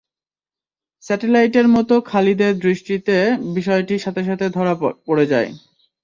স্যাটেলাইটের মত খালিদের দৃষ্টিতে বিষয়টি সাথে সাথে ধরা পড়ে যায়।